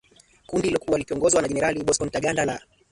kundi lililokuwa likiongozwa na jenerali Bosco Ntaganda la